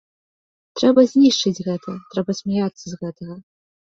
Трэба знішчыць гэта, трэба смяяцца з гэтага.